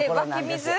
湧き水？